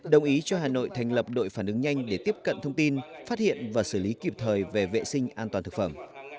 đồng ý cho hà nội thành lập đội phản ứng nhanh để tiếp cận thông tin phát hiện và xử lý kịp thời về vệ sinh an toàn thực phẩm